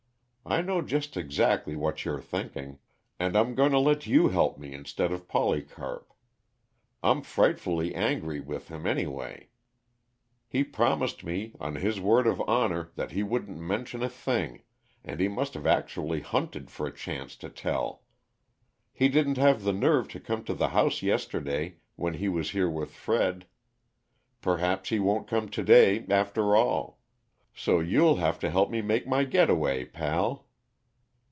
I know just exactly what you're thinking and I'm going to let you help me instead of Polycarp. I'm frightfully angry with him, anyway. He promised me, on his word of honor, that he wouldn't mention a thing and he must have actually hunted for a chance to tell! He didn't have the nerve to come to the house yesterday, when he was here with Fred perhaps he won't come to day, after all. So you'll have to help me make my getaway, pal."